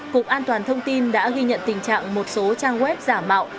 cục an toàn thông tin đã ghi nhận tình trạng một số trang web giả mạo